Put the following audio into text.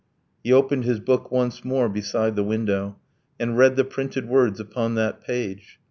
He opened his book once more, beside the window, And read the printed words upon that page.